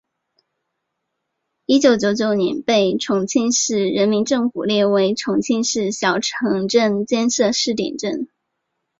一九九九年被重庆市人民政府列为重庆市小城镇建设试点镇。